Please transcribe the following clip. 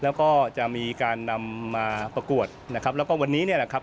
และก็จะมีการนำมาประกวดและทุกวันนี้นะครับ